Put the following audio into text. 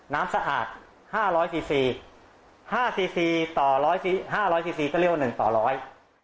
น้ำสะอาดห้าร้อยซีซีห้าซีซีต่อร้อยซีห้าร้อยซีซีก็เรียกว่าหนึ่งต่อร้อย